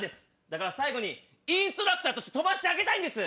だから最後にインストラクターとして飛ばせてあげたいんです。